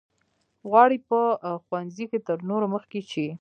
غواړي په ښوونځي کې تر نورو مخکې شي.